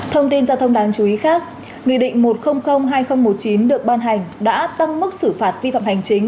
thông tin giao thông đáng chú ý khác người định một triệu hai nghìn một mươi chín được ban hành đã tăng mức xử phạt vi phạm hành chính